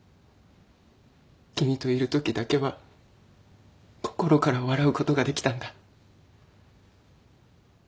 君といるときだけは心から笑うことができたんだ。